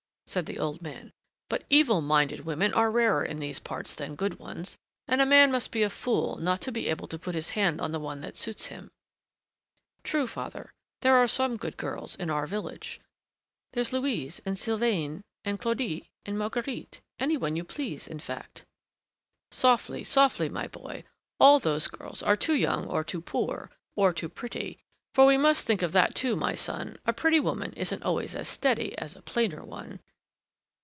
said the old man. "But evil minded women are rarer in these parts than good ones, and a man must be a fool not to be able to put his hand on the one that suits him." "True, father: there are some good girls in our village. There's Louise and Sylvaine and Claudie and Marguerite any one you please, in fact." "Softly, softly, my boy, all those girls are too young or too poor or too pretty; for we must think of that, too, my son. A pretty woman isn't always as steady as a plainer one."